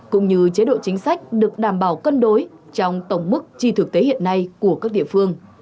cũng như chế độ chính sách được đảm bảo cân đối trong tổng mức chi thực tế hiện nay của các địa phương